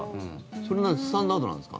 それスタンダードなんですか？